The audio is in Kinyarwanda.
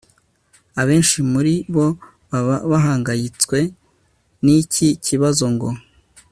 Abenshi muri bo baba bahangayitswe niki kibazo ngo